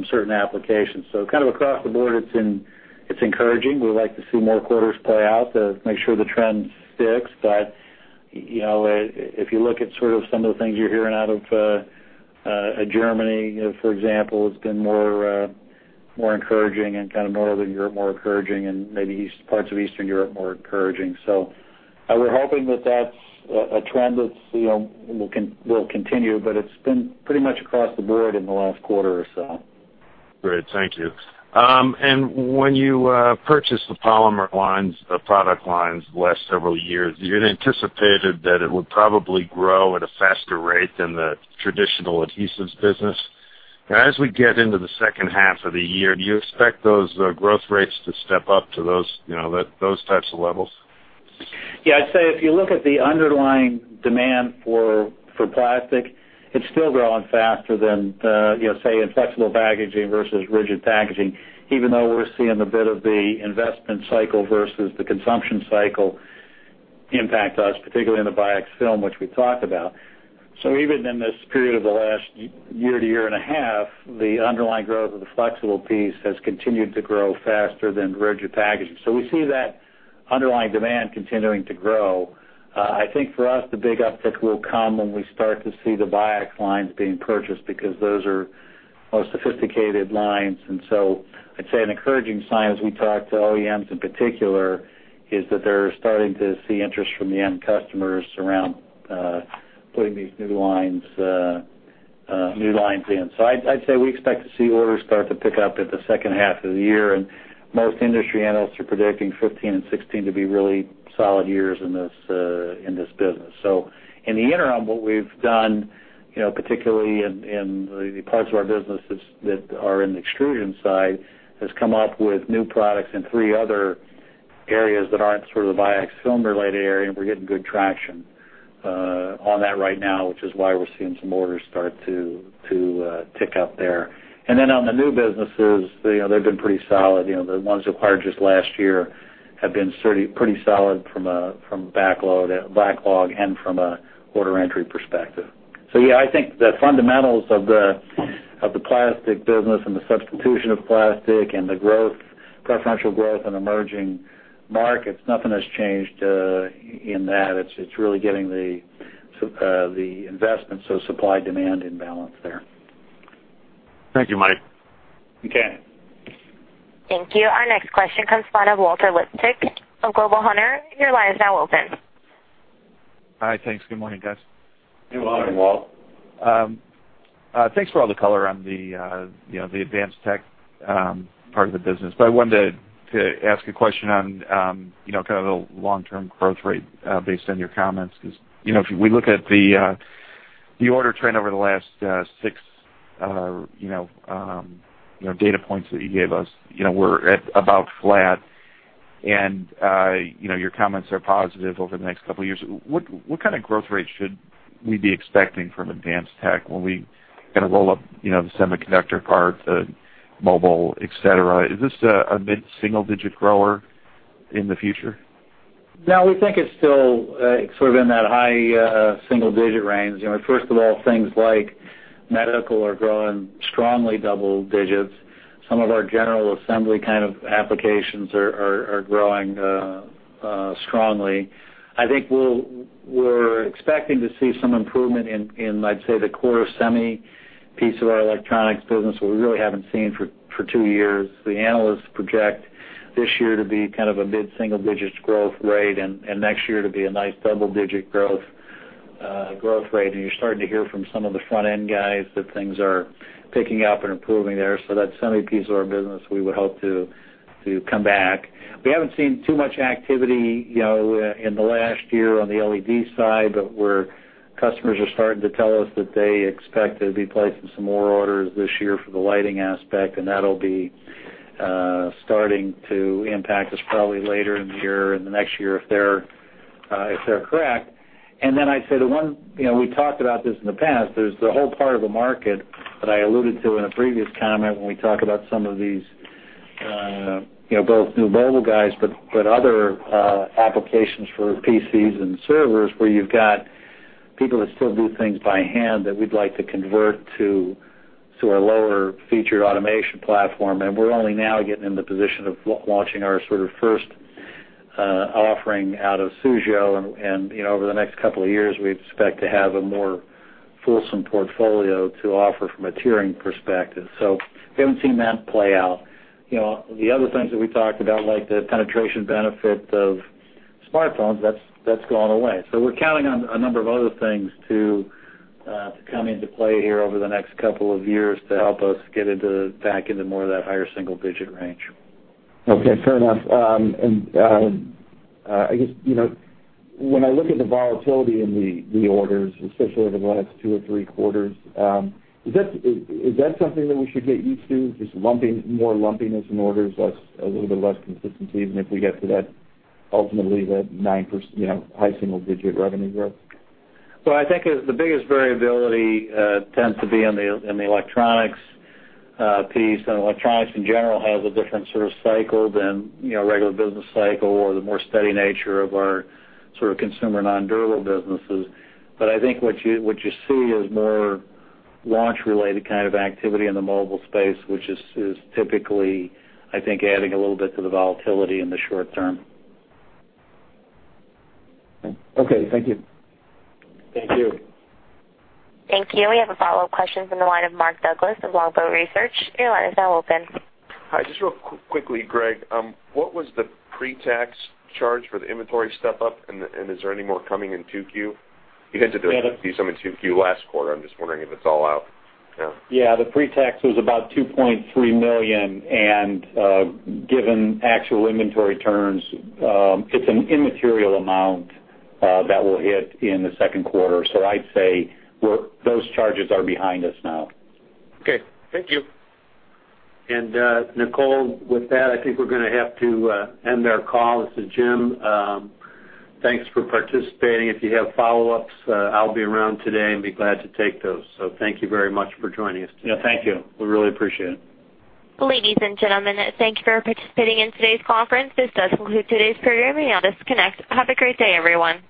certain applications. Kind of across the board, it's encouraging. We'd like to see more quarters play out to make sure the trend sticks. You know, if you look at sort of some of the things you're hearing out of Germany, for example, it's been more encouraging and kind of Northern Europe more encouraging and maybe parts of Eastern Europe more encouraging. We're hoping that that's a trend that's you know will continue, but it's been pretty much across the board in the last quarter or so. Great. Thank you. When you purchased the polymer product lines the last several years, you had anticipated that it would probably grow at a faster rate than the traditional adhesives business. As we get into the second half of the year, do you expect those growth rates to step up to those, you know, types of levels? Yeah. I'd say if you look at the underlying demand for plastic, it's still growing faster than you know, say in flexible packaging versus rigid packaging, even though we're seeing a bit of the investment cycle versus the consumption cycle impact us, particularly in the biax film, which we talked about. Even in this period of the last year or year and a half, the underlying growth of the flexible piece has continued to grow faster than rigid packaging. We see that underlying demand continuing to grow. I think for us, the big uptick will come when we start to see the biax lines being purchased because those are more sophisticated lines. I'd say an encouraging sign as we talk to OEMs in particular, is that they're starting to see interest from the end customers around putting these new lines in. I'd say we expect to see orders start to pick up in the second half of the year. Most industry analysts are predicting 2015 and 2016 to be really solid years in this business. In the interim, what we've done, you know, particularly in the parts of our businesses that are in the extrusion side, has come up with new products in three other areas that aren't sort of the biax film related area, and we're getting good traction on that right now, which is why we're seeing some orders start to tick up there. On the new businesses, you know, they've been pretty solid. You know, the ones acquired just last year have been sort of pretty solid from a backlog, and from an order entry perspective. Yeah, I think the fundamentals of the plastic business and the substitution of plastic and the growth, preferential growth in emerging markets, nothing has changed in that. It's really the supply-demand imbalance there. Thank you, Mike. Okay. Thank you. Our next question comes from the line of Walter Liptak of Global Hunter. Your line is now open. Hi. Thanks. Good morning, guys. Good morning, Walt. Thanks for all the color on the, you know, the advanced tech part of the business. I wanted to ask a question on, you know, kind of the long-term growth rate based on your comments. 'Cause, you know, if we look at the order trend over the last 6, you know, data points that you gave us, you know, we're at about flat. Your comments are positive over the next couple of years. What kind of growth rate should we be expecting from advanced tech when we kinda roll up, you know, the semiconductor part, the mobile, et cetera? Is this a mid-single digit grower in the future? No, we think it's still sort of in that high single-digit range. You know, first of all, things like medical are growing strongly double-digit. Some of our general assembly kind of applications are growing strongly. I think we're expecting to see some improvement in, I'd say, the core semi piece of our electronics business that we really haven't seen for two years. The analysts project this year to be kind of a mid-single-digit growth rate and next year to be a nice double-digit growth rate. You're starting to hear from some of the front-end guys that things are picking up and improving there. That semi piece of our business we would hope to come back. We haven't seen too much activity, you know, in the last year on the LED side, but customers are starting to tell us that they expect to be placing some more orders this year for the lighting aspect, and that'll be starting to impact us probably later in the year or in the next year if they're correct. Then I'd say the one, you know, we talked about this in the past, there's the whole part of the market that I alluded to in a previous comment when we talk about some of these, you know, both new mobile guys, but other applications for PCs and servers, where you've got people that still do things by hand that we'd like to convert to a lower featured automation platform. We're only now getting in the position of launching our sort of first offering out of Suzhou. You know, over the next couple of years, we expect to have a more fulsome portfolio to offer from a tiering perspective. We haven't seen that play out. You know, the other things that we talked about, like the penetration benefit of smartphones, that's gone away. We're counting on a number of other things to come into play here over the next couple of years to help us get back into more of that higher single digit range. Okay. Fair enough. I guess, you know, when I look at the volatility in the orders, especially over the last 2 or 3 quarters, is that something that we should get used to, just more lumpiness in orders, a little bit less consistency even if we get to that, ultimately that 9%, you know, high single digit revenue growth? I think it's the biggest variability tends to be in the electronics piece. Electronics in general has a different sort of cycle than, you know, regular business cycle or the more steady nature of our sort of consumer non-durable businesses. I think what you see is more launch-related kind of activity in the mobile space, which is typically, I think, adding a little bit to the volatility in the short term. Okay. Thank you. Thank you. Thank you. We have a follow-up question from the line of Mark Douglass of Longbow Research. Your line is now open. Hi. Just real quickly, Greg, what was the pretax charge for the inventory step up, and is there any more coming in 2Q? You guys did see some in 2Q last quarter. I'm just wondering if it's all out now. Yeah. The pretax was about $2.3 million. Given actual inventory turns, it's an immaterial amount that will hit in the second quarter. I'd say those charges are behind us now. Okay. Thank you. Nicole, with that, I think we're gonna have to end our call. This is Jim. Thanks for participating. If you have follow-ups, I'll be around today and be glad to take those. Thank you very much for joining us. Yeah. Thank you. We really appreciate it. Ladies and gentlemen, thank you for participating in today's conference. This does conclude today's program. You may disconnect. Have a great day, everyone.